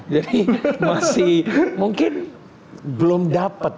jadi masih mungkin belum dapat